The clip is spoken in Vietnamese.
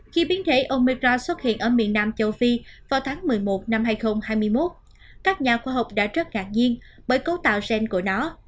khi biến thể omira xuất hiện ở miền nam châu phi vào tháng một mươi một năm hai nghìn hai mươi một các nhà khoa học đã rất ngạc nhiên bởi cấu tạo gen của nó